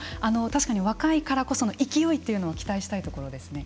確かに若いからこその勢いというのを期待したいところですね。